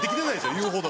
言うほど。